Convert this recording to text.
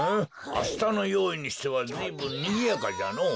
あしたのよういにしてはずいぶんにぎやかじゃのぉ。